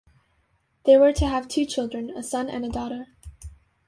They were to have two children, a son and a daughter.